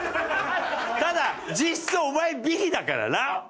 ただ実質お前ビリだからな？